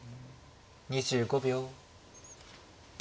２５秒。